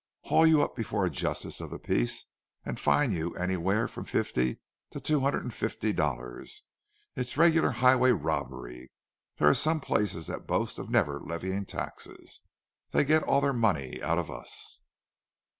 "Haul you up before a justice of the peace, and fine you anywhere from fifty to two hundred and fifty dollars. It's regular highway robbery—there are some places that boast of never levying taxes; they get all their money out of us!"